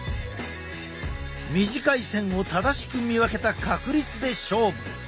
短い線を正しく見分けた確率で勝負。